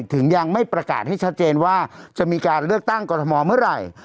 ถึงยังไม่ประกาศให้ชัดเจนว่าจะมีการเลือกตั้งกรทมเมื่อไหร่